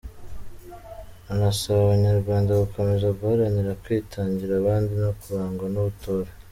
Anasaba abanyarwanda gukomeza guharanira kwitangira abandi no kurangwa n’ubutore.